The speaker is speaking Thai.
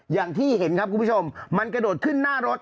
อย่างที่เห็นครับคุณผู้ชมมันกระโดดขึ้นหน้ารถ